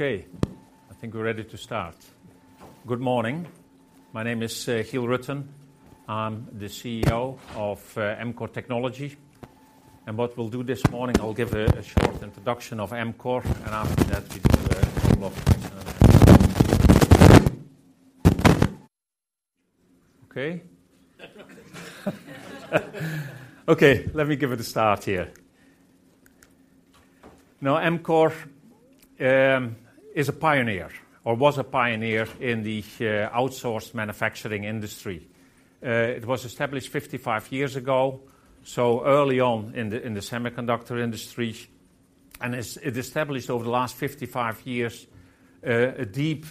Okay, I think we're ready to start. Good morning. My name is Giel Rutten. I'm the CEO of Amkor Technology, and what we'll do this morning, I'll give a short introduction of Amkor, and after that, we do a couple of questions. Okay? Okay, let me give it a start here. Now, Amkor is a pioneer or was a pioneer in the outsourced manufacturing industry. It was established 55 years ago, so early on in the semiconductor industry, and it's, it established over the last 55 years a deep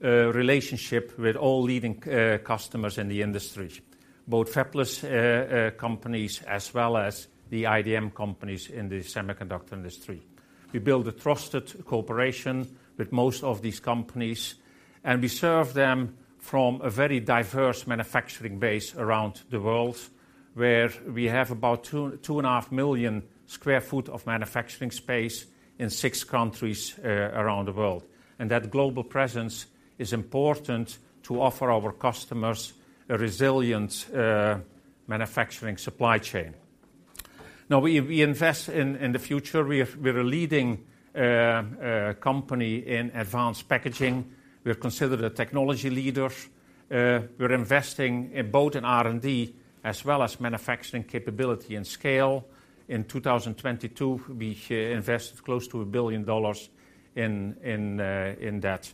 relationship with all leading customers in the industry, both fabless companies as well as the IDM companies in the semiconductor industry. We build a trusted cooperation with most of these companies, and we serve them from a very diverse manufacturing base around the world, where we have about 2-2.5 million sq ft of manufacturing space in six countries around the world. That global presence is important to offer our customers a resilient manufacturing supply chain. Now, we invest in the future. We are a leading company in advanced packaging. We are considered a technology leader. We're investing in both R&D as well as manufacturing capability and scale. In 2022, we invested close to $1 billion in that.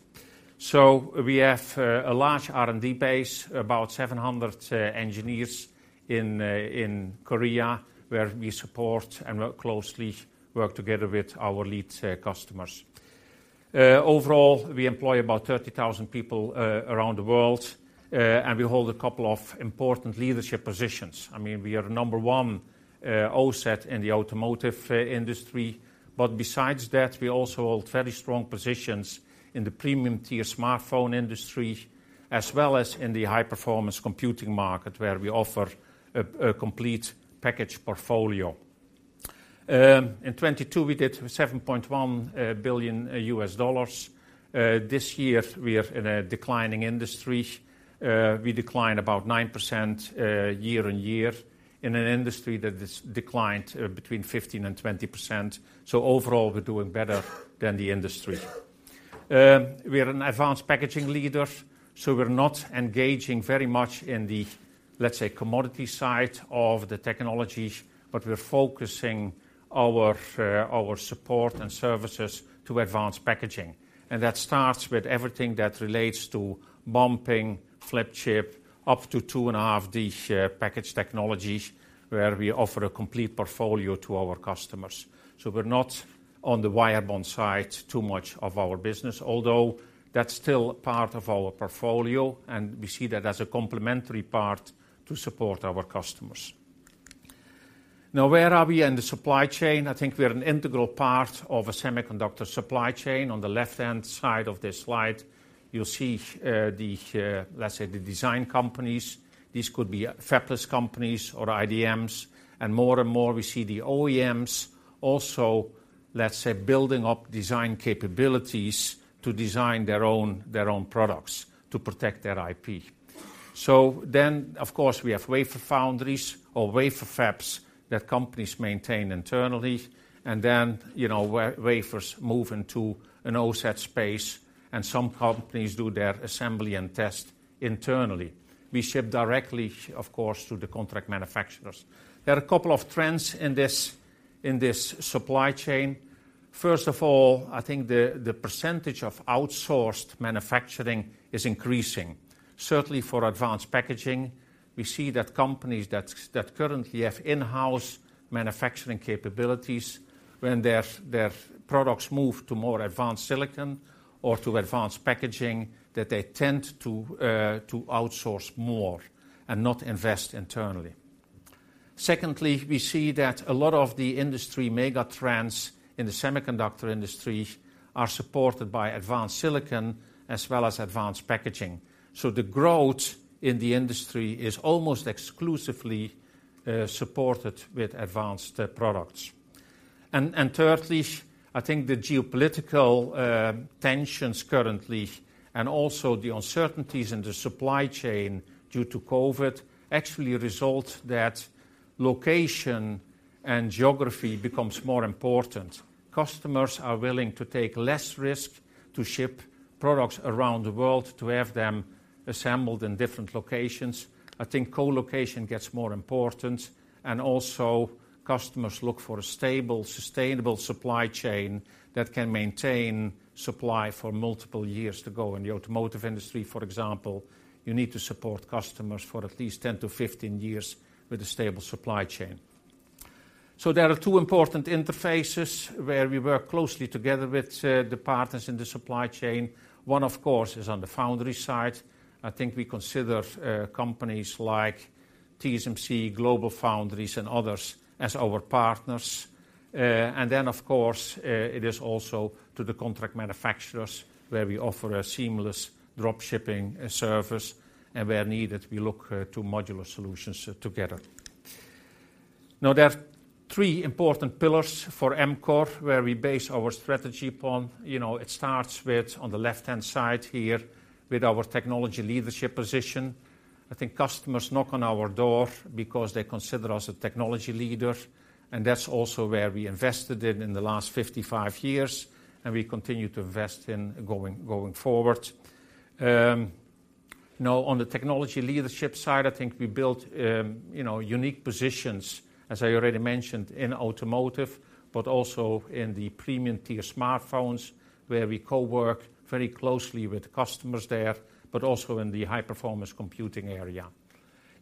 So we have a large R&D base, about 700 engineers in Korea, where we support and work closely together with our lead customers. Overall, we employ about 30,000 people around the world, and we hold a couple of important leadership positions. I mean, we are number one OSAT in the automotive industry, but besides that, we also hold very strong positions in the premium-tier smartphone industry, as well as in the high-performance computing market, where we offer a complete package portfolio. In 2022, we did $7.1 billion. This year, we are in a declining industry. We declined about 9% year-on-year in an industry that is declined between 15% and 20%. So overall, we're doing better than the industry. We are an advanced packaging leader, so we're not engaging very much in the, let's say, commodity side of the technology, but we're focusing our our support and services to advanced packaging, and that starts with everything that relates to bumping, flip chip, up to 2.5D chip package technologies, where we offer a complete portfolio to our customers. So we're not on the wire bond side, too much of our business, although that's still part of our portfolio, and we see that as a complementary part to support our customers. Now, where are we in the supply chain? I think we are an integral part of a semiconductor supply chain. On the left-hand side of this slide, you'll see, the, let's say, the design companies. These could be fabless companies or IDMs, and more and more, we see the OEMs also, let's say, building up design capabilities to design their own, their own products to protect their IP. So then, of course, we have wafer foundries or wafer fabs that companies maintain internally, and then, you know, wafers move into an OSAT space, and some companies do their assembly and test internally. We ship directly, of course, to the contract manufacturers. There are a couple of trends in this, in this supply chain. First of all, I think the, the percentage of outsourced manufacturing is increasing. Certainly for advanced packaging, we see that companies that's, that currently have in-house manufacturing capabilities, when their, their products move to more advanced silicon or to advanced packaging, that they tend to outsource more and not invest internally. Secondly, we see that a lot of the industry mega trends in the semiconductor industry are supported by advanced silicon as well as advanced packaging. So the growth in the industry is almost exclusively supported with advanced products. And thirdly, I think the geopolitical tensions currently, and also the uncertainties in the supply chain due to COVID, actually result that location and geography becomes more important. Customers are willing to take less risk to ship products around the world, to have them assembled in different locations. I think co-location gets more important, and also customers look for a stable, sustainable supply chain that can maintain supply for multiple years to go. In the automotive industry, for example, you need to support customers for at least 10-15 years with a stable supply chain. So there are two important interfaces where we work closely together with the partners in the supply chain. One, of course, is on the foundry side. I think we consider companies like TSMC, GlobalFoundries, and others as our partners. And then, of course, it is also to the contract manufacturers, where we offer a seamless drop shipping service, and where needed, we look to modular solutions together. Now, there are three important pillars for Amkor, where we base our strategy upon. You know, it starts with, on the left-hand side here, with our technology leadership position. I think customers knock on our door because they consider us a technology leader, and that's also where we invested in the last 55 years, and we continue to invest in going forward. Now, on the technology leadership side, I think we built, you know, unique positions, as I already mentioned, in automotive, but also in the premium-tier smartphones, where we co-work very closely with customers there, but also in the high-performance computing area.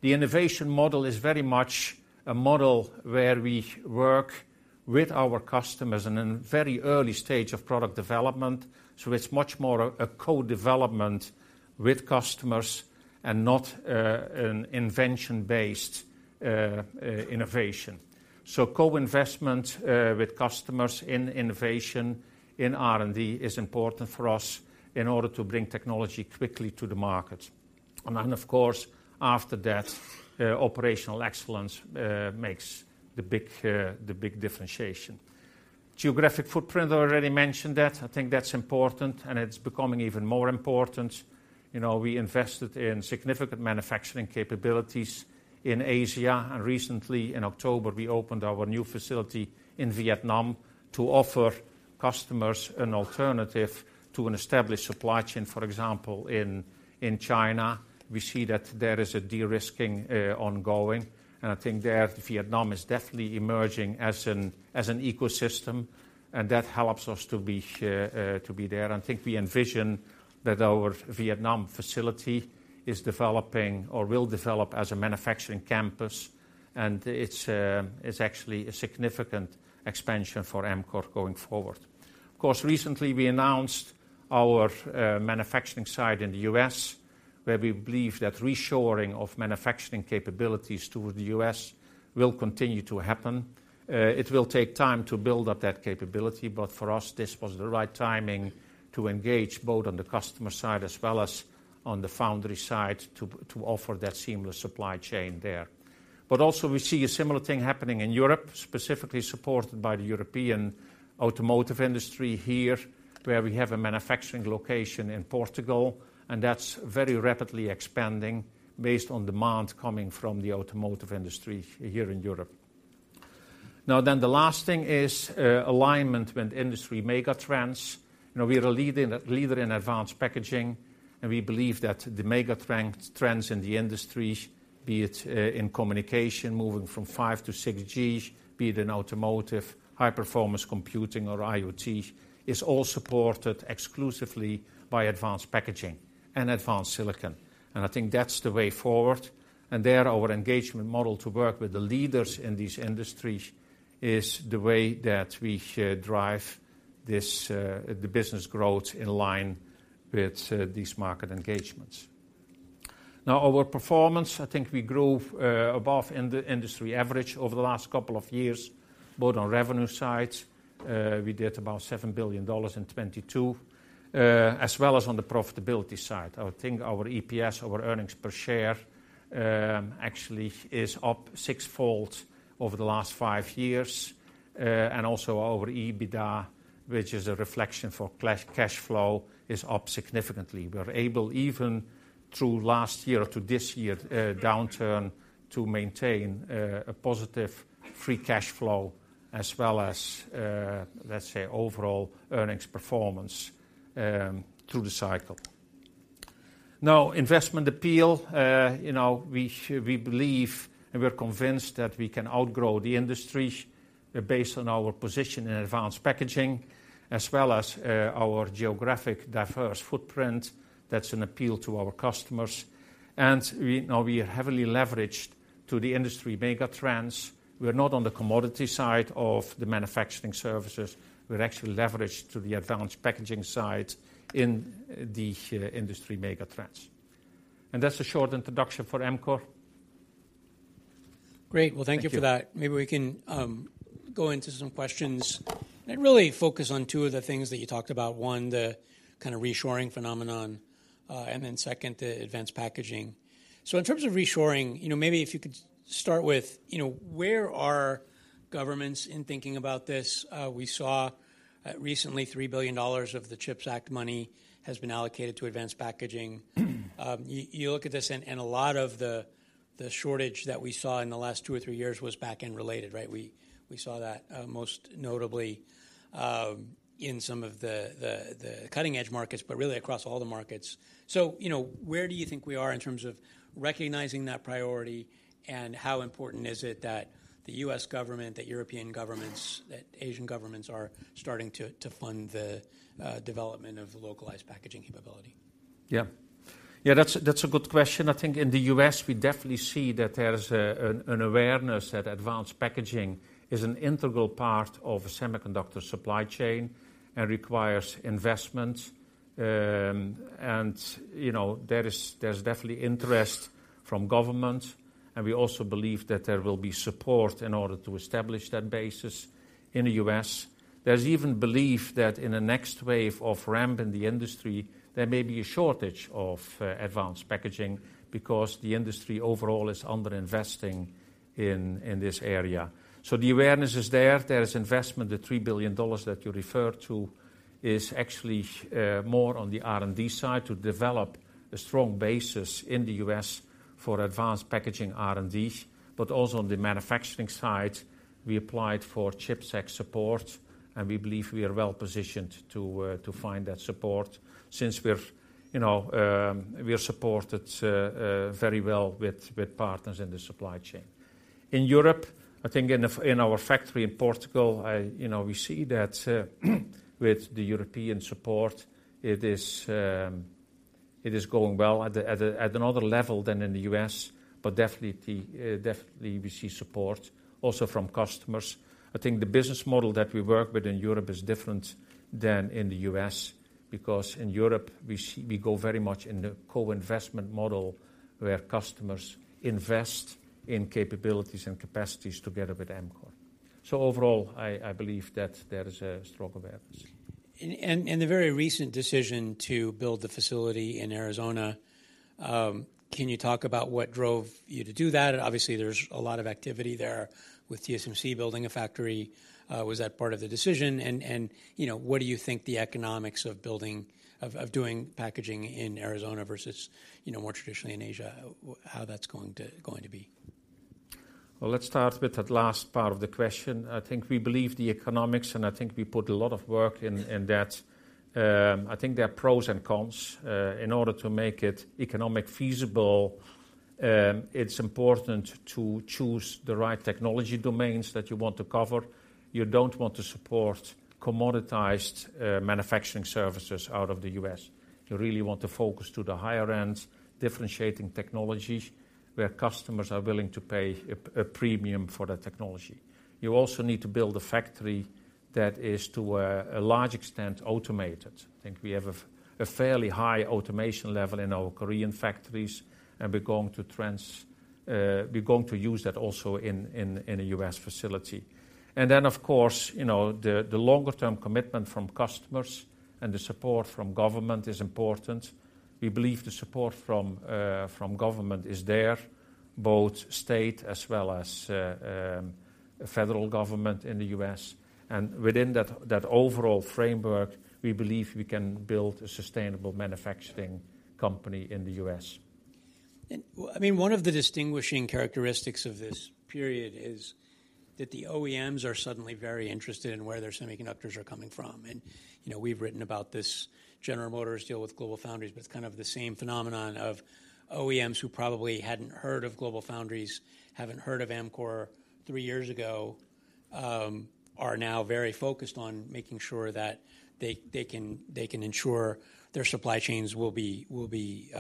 The innovation model is very much a model where we work with our customers in a very early stage of product development, so it's much more a co-development with customers and not an invention-based innovation. So, co-investment with customers in innovation, in R&D, is important for us in order to bring technology quickly to the market. And then, of course, after that, operational excellence makes the big, the big differentiation. Geographic footprint, I already mentioned that. I think that's important, and it's becoming even more important. You know, we invested in significant manufacturing capabilities in Asia, and recently, in October, we opened our new facility in Vietnam to offer customers an alternative to an established supply chain. For example, in China, we see that there is a de-risking ongoing, and I think there, Vietnam is definitely emerging as an ecosystem, and that helps us to be there. I think we envision that our Vietnam facility is developing or will develop as a manufacturing campus, and it's actually a significant expansion for Amkor going forward. Of course, recently we announced our manufacturing site in the U.S., where we believe that reshoring of manufacturing capabilities to the U.S. will continue to happen. It will take time to build up that capability, but for us, this was the right timing to engage both on the customer side as well as on the foundry side, to offer that seamless supply chain there. But also we see a similar thing happening in Europe, specifically supported by the European automotive industry here, where we have a manufacturing location in Portugal, and that's very rapidly expanding based on demand coming from the automotive industry here in Europe. Now, then, the last thing is, alignment with industry mega trends. You know, we are a leader in advanced packaging, and we believe that the mega trend, trends in the industry, be it, in communication, moving from 5G to 6G, be it in automotive, high-performance computing or IoT, is all supported exclusively by advanced packaging and advanced silicon. I think that's the way forward, and there, our engagement model to work with the leaders in these industries is the way that we drive this, the business growth in line with these market engagements. Now, our performance, I think we grew above the industry average over the last couple of years, both on revenue side, we did about $7 billion in 2022, as well as on the profitability side. I would think our EPS, our earnings per share, actually is up sixfold over the last five years. And also our EBITDA, which is a reflection of cash flow, is up significantly. We're able, even through last year to this year downturn, to maintain a positive free cash flow as well as, let's say, overall earnings performance through the cycle. Now, investment appeal, you know, we believe, and we're convinced that we can outgrow the industry, based on our position in advanced packaging, as well as our geographic diverse footprint. That's an appeal to our customers. Now, we are heavily leveraged to the industry mega trends. We're not on the commodity side of the manufacturing services. We're actually leveraged to the advanced packaging side in the industry mega trends. And that's a short introduction for Amkor. Great. Well, thank you for that. Thank you. Maybe we can go into some questions and really focus on two of the things that you talked about. One, the kind of reshoring phenomenon, and then second, the advanced packaging. So in terms of reshoring, you know, maybe if you could start with, you know, where are governments in thinking about this? We saw, recently, $3 billion of the CHIPS Act money has been allocated to advanced packaging. You look at this, and a lot of the shortage that we saw in the last two or three years was back and related, right? We saw that, most notably, in some of the cutting-edge markets, but really across all the markets. So, you know, where do you think we are in terms of recognizing that priority, and how important is it that the U.S. government, the European governments, that the Asian governments are starting to fund the development of the localized packaging capability? Yeah. Yeah, that's a good question. I think in the U.S., we definitely see that there is an awareness that advanced packaging is an integral part of semiconductor supply chain and requires investment. And, you know, there's definitely interest from government, and we also believe that there will be support in order to establish that basis in the U.S. There's even belief that in the next wave of ramp in the industry, there may be a shortage of advanced packaging because the industry overall is underinvesting in this area. So the awareness is there. There is investment. The $3 billion that you referred to is actually more on the R&D side to develop a strong basis in the U.S. for advanced packaging R&D, but also on the manufacturing side, we applied for CHIPS Act support, and we believe we are well-positioned to find that support since we're, you know, we are supported very well with partners in the supply chain. In Europe, I think in our factory in Portugal, you know, we see that, with the European support, it is going well at another level than in the U.S., but definitely we see support also from customers. I think the business model that we work with in Europe is different than in the U.S. because in Europe we see, we go very much in the co-investment model, where customers invest in capabilities and capacities together with Amkor. So overall, I believe that there is a strong awareness. The very recent decision to build the facility in Arizona, can you talk about what drove you to do that? Obviously, there's a lot of activity there with TSMC building a factory. Was that part of the decision? And, you know, what do you think the economics of building, of doing packaging in Arizona versus, you know, more traditionally in Asia, how that's going to be? Well, let's start with that last part of the question. I think we believe the economics, and I think we put a lot of work in, in that. I think there are pros and cons. In order to make it economically feasible, it's important to choose the right technology domains that you want to cover. You don't want to support commoditized manufacturing services out of the U.S. You really want to focus to the higher-end, differentiating technologies, where customers are willing to pay a premium for that technology. You also need to build a factory that is, to a large extent, automated. I think we have a fairly high automation level in our Korean factories, and we're going to use that also in a U.S. facility. And then, of course, you know, the longer-term commitment from customers and the support from government is important. We believe the support from government is there, both state as well as federal government in the U.S. And, within that overall framework, we believe we can build a sustainable manufacturing company in the U.S. Well, I mean, one of the distinguishing characteristics of this period is that the OEMs are suddenly very interested in where their semiconductors are coming from, and, you know, we've written about this General Motors deal with GlobalFoundries, but it's kind of the same phenomenon of OEMs who probably hadn't heard of GlobalFoundries, haven't heard of Amkor three years ago, are now very focused on making sure that they, they can, they can ensure their supply chains will be, will be,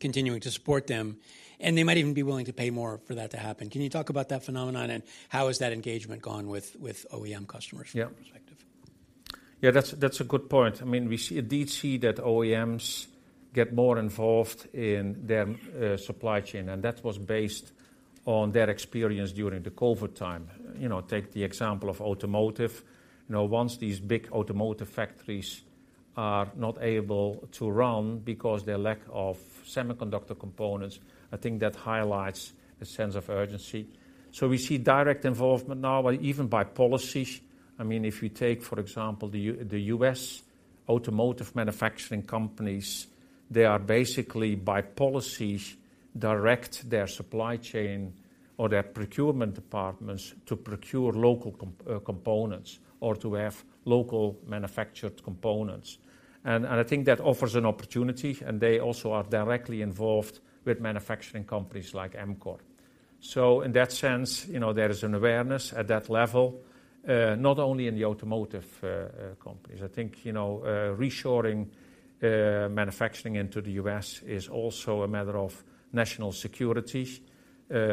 continuing to support them, and they might even be willing to pay more for that to happen. Can you talk about that phenomenon and how has that engagement gone with, with OEM customers- Yeah... from your perspective? Yeah, that's, that's a good point. I mean, we see, did see that OEMs get more involved in their supply chain, and that was based on their experience during the COVID time. You know, take the example of automotive. You know, once these big automotive factories are not able to run because their lack of semiconductor components, I think that highlights a sense of urgency. So we see direct involvement now, but even by policies. I mean, if you take, for example, the U.S. automotive manufacturing companies, they are basically, by policies, directing their supply chain or their procurement departments to procure local components or to have local-manufactured components. And, I think that offers an opportunity, and they also are directly involved with manufacturing companies like Amkor. So in that sense, you know, there is an awareness at that level, not only in the automotive companies. I think, you know, reshoring manufacturing into the U.S. is also a matter of national security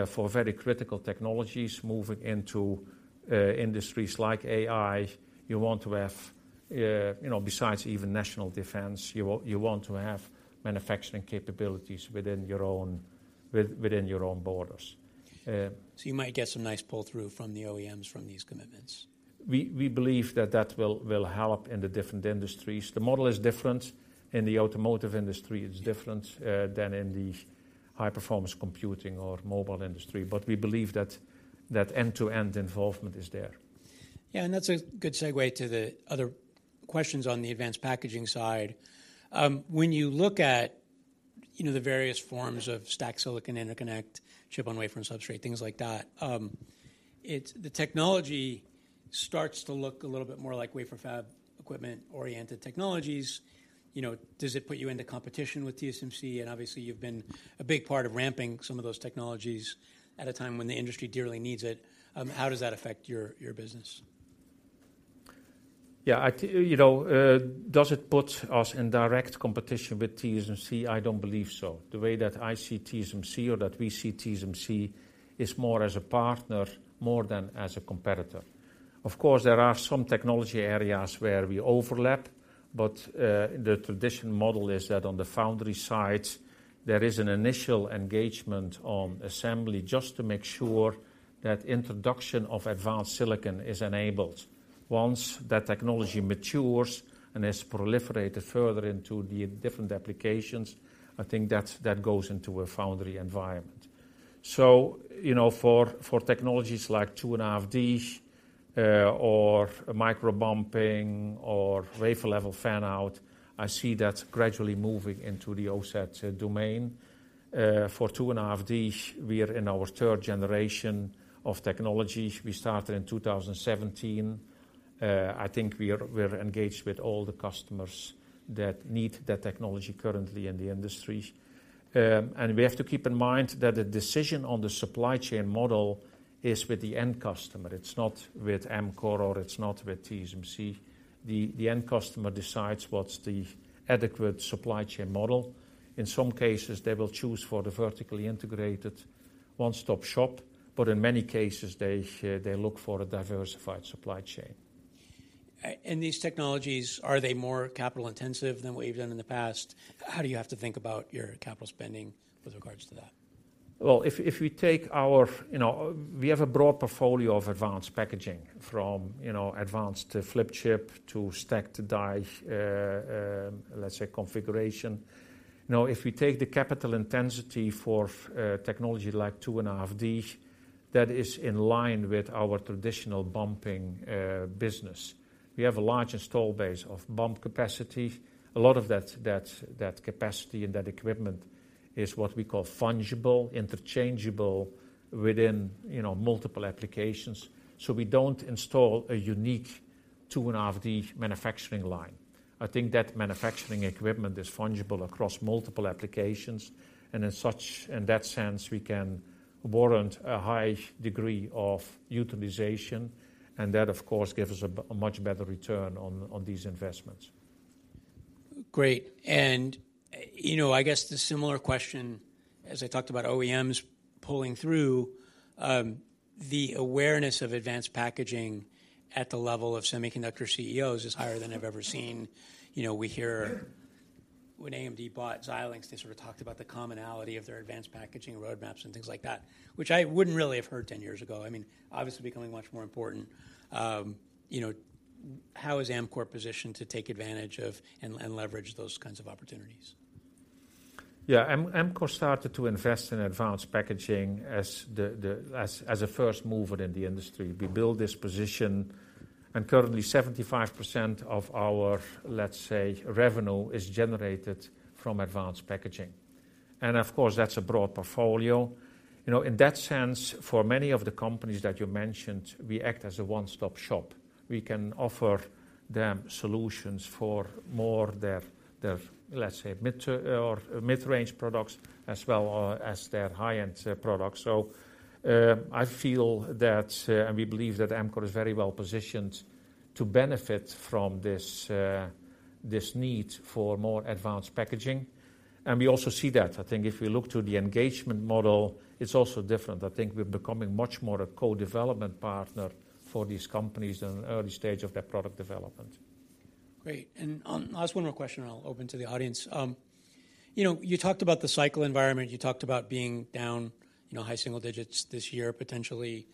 for very critical technologies. Moving into industries like AI, you want to have, you know, besides even national defense, you want, you want to have manufacturing capabilities within your own borders. You might get some nice pull-through from the OEMs from these commitments. We believe that will help in the different industries. The model is different. In the automotive industry, it's different than in the high-performance computing or mobile industry, but we believe that end-to-end involvement is there. Yeah, and that's a good segue to the other questions on the advanced packaging side. When you look at, you know, the various forms of stacked silicon interconnect, Chip on Wafer on Substrate, things like that, it's the technology starts to look a little bit more like wafer fab equipment-oriented technologies. You know, does it put you into competition with TSMC? And obviously, you've been a big part of ramping some of those technologies at a time when the industry dearly needs it. How does that affect your business? Yeah, You know, does it put us in direct competition with TSMC? I don't believe so. The way that I see TSMC or that we see TSMC is more as a partner, more than as a competitor. Of course, there are some technology areas where we overlap, but the traditional model is that on the foundry side, there is an initial engagement on assembly just to make sure that introduction of advanced silicon is enabled. Once that technology matures and is proliferated further into the different applications, I think that goes into a foundry environment. So, you know, for technologies like 2.5D, or Micro-Bumping, or Wafer Level Fan-Out, I see that gradually moving into the OSAT domain. For 2.5D, we are in our third generation of technology. We started in 2017. I think we are, we are engaged with all the customers that need that technology currently in the industry. We have to keep in mind that the decision on the supply chain model is with the end customer. It's not with Amkor, or it's not with TSMC. The end customer decides what's the adequate supply chain model. In some cases, they will choose for the vertically integrated one-stop shop, but in many cases, they, they look for a diversified supply chain. And these technologies, are they more capital-intensive than what you've done in the past? How do you have to think about your capital spending with regards to that? Well, if we take our... You know, we have a broad portfolio of advanced packaging from, you know, advanced to flip chip, to stacked die, let's say, configuration. Now, if we take the capital intensity for technology like 2.5D, that is in line with our traditional bumping business. We have a large install base of bump capacity. A lot of that capacity and that equipment is what we call fungible, interchangeable within, you know, multiple applications. So we don't install a unique 2.5D manufacturing line. I think that manufacturing equipment is fungible across multiple applications, and as such, in that sense, we can warrant a high degree of utilization, and that, of course, gives us a much better return on these investments. Great. And, you know, I guess the similar question, as I talked about OEMs pulling through, the awareness of advanced packaging at the level of semiconductor CEOs is higher than I've ever seen. You know, we hear- Mm-hmm. When AMD bought Xilinx, they sort of talked about the commonality of their advanced packaging roadmaps and things like that, which I wouldn't really have heard ten years ago. I mean, obviously becoming much more important. You know, how is Amkor positioned to take advantage of and leverage those kinds of opportunities? Yeah. Amkor started to invest in advanced packaging as a first mover in the industry. We built this position, and currently, 75% of our, let's say, revenue is generated from advanced packaging, and of course, that's a broad portfolio. You know, in that sense, for many of the companies that you mentioned, we act as a one-stop shop. We can offer them solutions for more their, their, let's say, mid to, or mid-range products as well, as their high-end products. So, I feel that, and we believe that Amkor is very well positioned to benefit from this, this need for more advanced packaging, and we also see that. I think if we look to the engagement model, it's also different. I think we're becoming much more a co-development partner for these companies in an early stage of their product development. Great. And last one more question, and I'll open to the audience. You know, you talked about the cycle environment. You talked about being down, you know, high single-digits this year, potentially.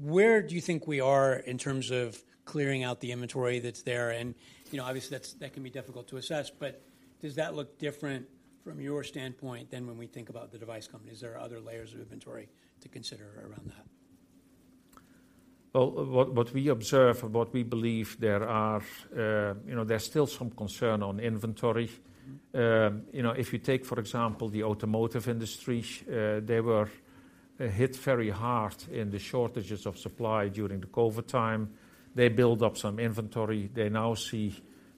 Where do you think we are in terms of clearing out the inventory that's there? And, you know, obviously, that's can be difficult to assess, but does that look different from your standpoint than when we think about the device companies? Are there other layers of inventory to consider around that? Well, what we observe and what we believe there are, you know, there's still some concern on inventory. You know, if you take, for example, the automotive industry, they were hit very hard in the shortages of supply during the COVID time. They built up some inventory. They now see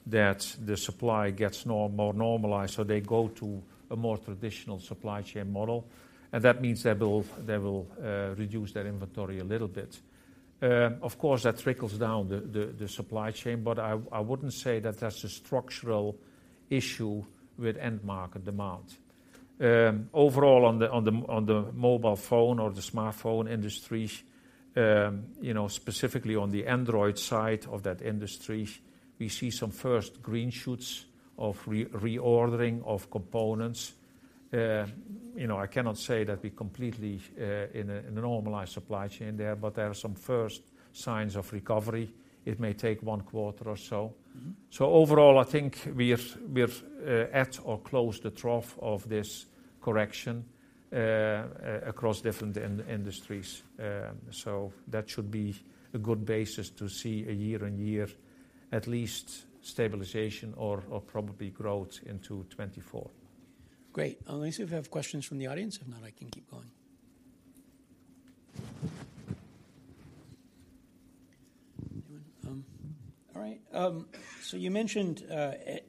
that the supply gets more normalized, so they go to a more traditional supply chain model, and that means they will reduce their inventory a little bit. Of course, that trickles down the supply chain, but I wouldn't say that that's a structural issue with end market demand. Overall, on the mobile phone or the smartphone industry, you know, specifically on the Android side of that industry, we see some first green shoots of reordering of components. You know, I cannot say that we're completely in a normalized supply chain there, but there are some first signs of recovery. It may take one quarter or so. Mm-hmm. So overall, I think we are at or close to the trough of this correction across different industries. So that should be a good basis to see a year-on-year at least stabilization or probably growth into 2024. Great. Let me see if we have questions from the audience. If not, I can keep going. Anyone? All right. So you mentioned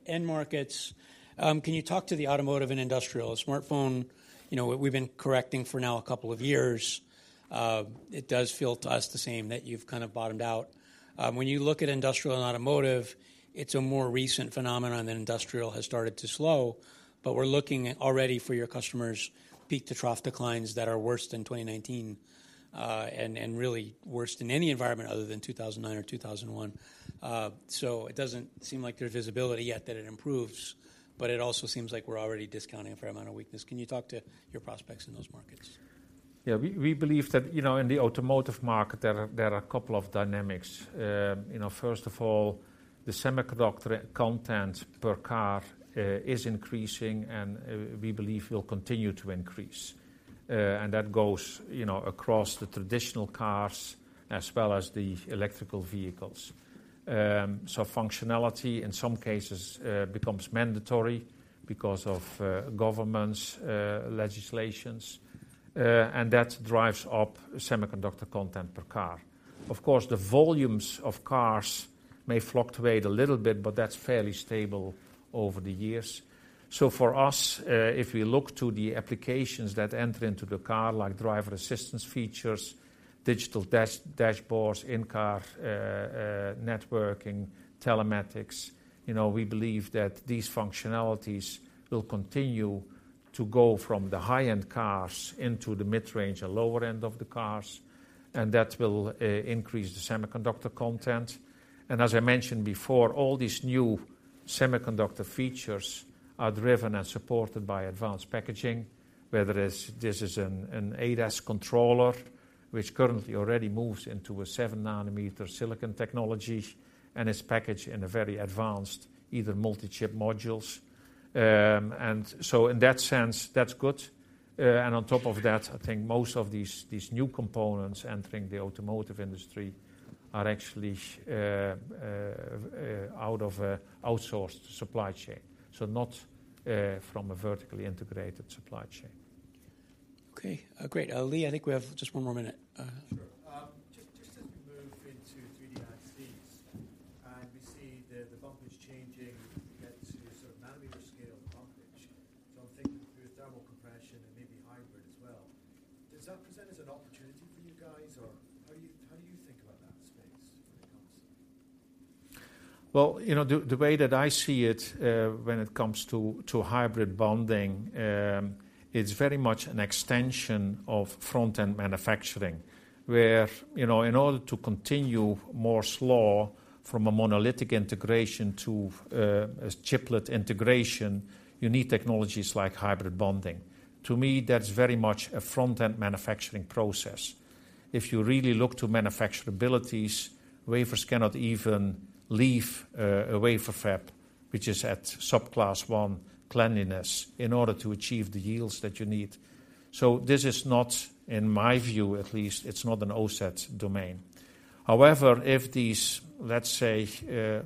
end markets. Can you talk to the automotive and industrial? Smartphone, you know, we've been correcting for now a couple of years. It does feel to us the same, that you've kind of bottomed out. When you look at industrial and automotive, it's a more recent phenomenon that industrial has started to slow, but we're looking at already for your customers, peak-to-trough declines that are worse than 2019, and really worse than any environment other than 2009 or 2001. So it doesn't seem like there's visibility yet that it improves, but it also seems like we're already discounting a fair amount of weakness. Can you talk to your prospects in those markets?... Yeah, we believe that, you know, in the automotive market, there are a couple of dynamics. You know, first of all, the semiconductor content per car is increasing, and we believe will continue to increase. And that goes, you know, across the traditional cars as well as the electrical vehicles. So functionality in some cases becomes mandatory because of governments' legislations, and that drives up semiconductor content per car. Of course, the volumes of cars may fluctuate a little bit, but that's fairly stable over the years. So for us, if we look to the applications that enter into the car, like driver assistance features, digital dash, dashboards, in-car networking, telematics, you know, we believe that these functionalities will continue to go from the high-end cars into the mid-range and lower end of the cars, and that will increase the semiconductor content. And as I mentioned before, all these new semiconductor features are driven and supported by advanced packaging, whether it's an ADAS controller, which currently already moves into a 7-nm silicon technology and is packaged in a very advanced, either multi-chip modules. And so in that sense, that's good. And on top of that, I think most of these new components entering the automotive industry are actually out of an outsourced supply chain, so not from a vertically integrated supply chain. Okay, great. Giel, I think we have just one more minute. Sure. Just, just as we move into 3D ICs, and we see the bump pitch changing get to sort of nanometer scale bump pitch. So I'm thinking through thermal compression and maybe hybrid as well. Does that present as an opportunity for you guys, or how do you think about that space when it comes? Well, you know, the way that I see it, when it comes to hybrid bonding, it's very much an extension of front-end manufacturing, where, you know, in order to continue Moore's Law from a monolithic integration to a chiplet integration, you need technologies like hybrid bonding. To me, that's very much a front-end manufacturing process. If you really look to manufacturability, wafers cannot even leave a wafer fab, which is at sub-class one cleanliness, in order to achieve the yields that you need. So this is not, in my view, at least, it's not an OSAT domain. However, if these, let's say,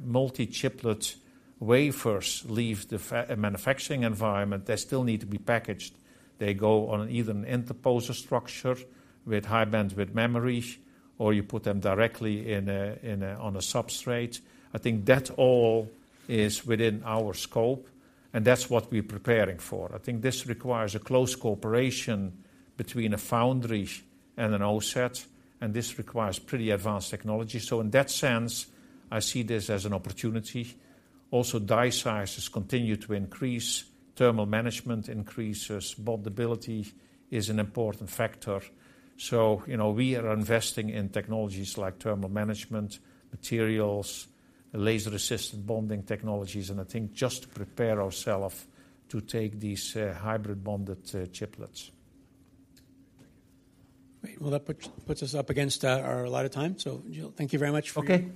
multi-chiplet wafers leave the fab manufacturing environment, they still need to be packaged. They go on either an interposer structure with high-bandwidth memories, or you put them directly in a, in a, on a substrate. I think that all is within our scope, and that's what we're preparing for. I think this requires a close cooperation between a foundry and an OSAT, and this requires pretty advanced technology. So in that sense, I see this as an opportunity. Also, die sizes continue to increase, thermal management increases, bondability is an important factor. So, you know, we are investing in technologies like thermal management, materials, laser-assisted bonding technologies, and I think just to prepare ourselves to take these hybrid bonded chiplets. Great. Well, that puts us up against our allotted time. So Giel, thank you very much for your- Okay.